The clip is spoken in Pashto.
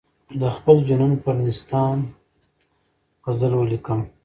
د خپل جنون پر نیستان غزل ولیکم.